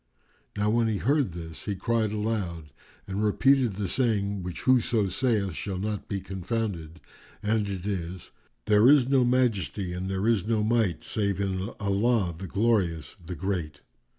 Now when he heard this, he cried aloud and repeated the saying which whoso saith shall not be confounded, and it is, "There is no Majesty and there is no Might save in Allah, the Glorious, the Great!"